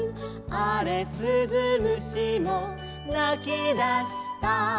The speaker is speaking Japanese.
「あれすず虫もなきだした」